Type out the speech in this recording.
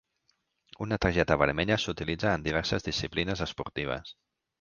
Una targeta vermella s'utilitza en diverses disciplines esportives.